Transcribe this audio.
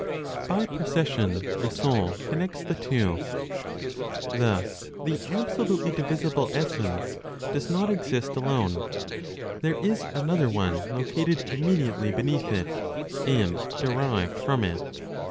BY PROCESSION THE SOUL CONNECTS THE TWO. Thus the absolutely divisible (essence) does not exist alone; there is another one located immediately beneath it, and derived from it.